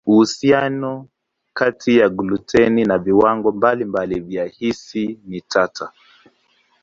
Uhusiano kati ya gluteni na viwango mbalimbali vya hisi ni tata.